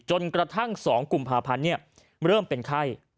จนกระทั่ง๒กุมภาพันธ์เริ่มเป็นไข้